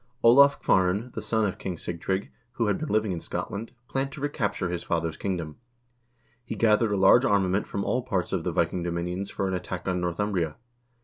Olav Kvaaran, the son of King Sig trygg, who had been living in Scotland, planned to recapture his father's kingdom. He gathered a large armament from all parts of the Viking dominions for an attack on Northumbria.